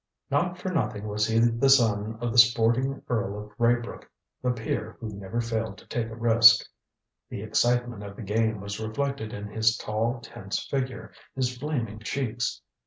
Not for nothing was he the son of the sporting Earl of Raybrook the peer who never failed to take a risk. The excitement of the game was reflected in his tall tense figure, his flaming cheeks.